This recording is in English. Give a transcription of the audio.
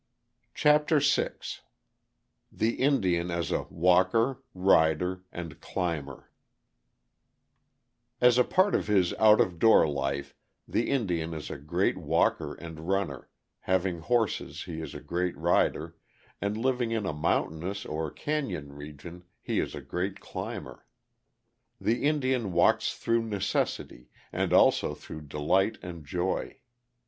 ] CHAPTER VI THE INDIAN AS A WALKER, RIDER, AND CLIMBER As a part of his out of door life the Indian is a great walker and runner, having horses he is a great rider, and living in a mountainous or canyon region he is a great climber. The Indian walks through necessity, and also through delight and joy.